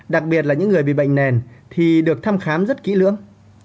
đặc biệt là những người bị bệnh nền thì được thăm khám rất kỹ lưỡng